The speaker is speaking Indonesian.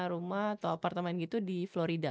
rumah atau apartemen gitu di florida